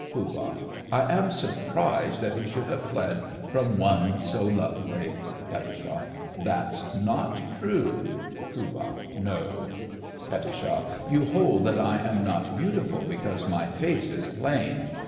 POOH. I am surprised that he should have fled from one so lovely! KAT. That's not true. POOH. No! KAT. You hold that I am not beautiful because my face is plain.